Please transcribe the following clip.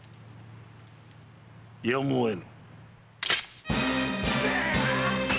やむを得ん。